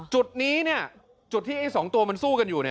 จุดนี้จุดที่ไอ้๒ตัวมันสู้กันอยู่